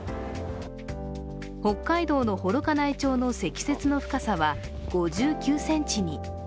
北海道の幌加内町の積雪の深さは５９ｃｍに。